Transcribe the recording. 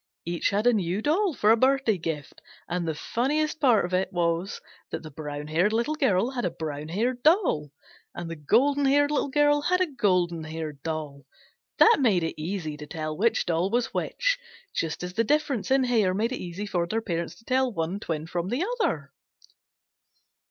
Each had a new doll for a birthday gift, and the funniest part of it was that the brown haired Little Girl had a brown haired doll and the golden haired Little Girl had a golden haired doll. That made it easy to tell which doll was which, just as the difference in hair made it easy for their parents to tell one twin from the other.